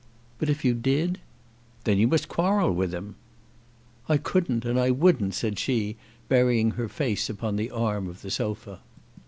"But if you did?" "Then you must quarrel with him." "I couldn't, and I wouldn't," said she, burying her face upon the arm of the sofa.